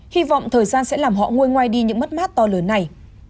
hy vọng thời gian sẽ làm họ ngôi ngoài đi những mất mát to lớn này